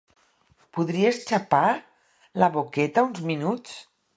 Podries xapar la boqueta uns minuts?